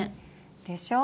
でしょう？